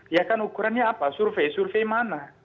ya kan ukurannya apa survei survei mana